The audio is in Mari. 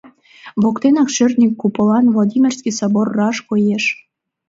Воктенак шӧртньӧ куполан Владимирский собор раш коеш.